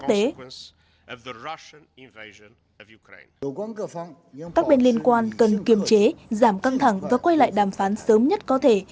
các bên liên quan cần kiềm chế giảm căng thẳng và quay lại đàm phán sớm nhất có thể